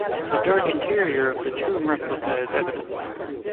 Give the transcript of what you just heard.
The dark interior of the tomb replica is evident.